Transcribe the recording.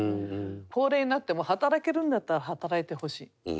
高齢になっても働けるんだったら働いてほしい。